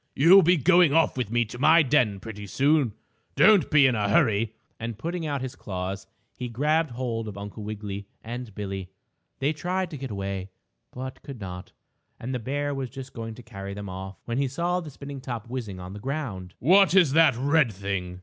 You'll be going off with me to my den, pretty soon. Don't be in a hurry," and, putting out his claws, he grabbed hold of Uncle Wiggily and Billie. They tried to get away, but could not, and the bear was just going to carry them off, when he saw the spinning top whizzing on the ground. "What's that red thing?"